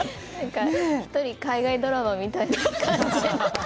１人海外ドラマみたいな感じで。